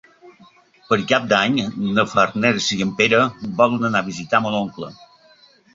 Per Cap d'Any na Farners i en Pere volen anar a visitar mon oncle.